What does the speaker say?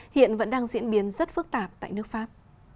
hiện vẫn đang diễn biến rất phức tạp tại nước pháp